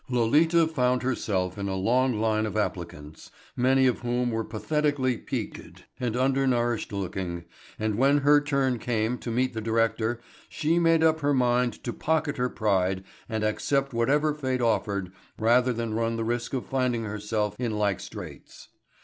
Lolita found herself in a long line of applicants, many of whom were pathetically peaked and undernourished looking, and when her turn came to meet the director she made up her mind to pocket her pride and accept whatever fate offered rather than run the risk of finding herself in like straits.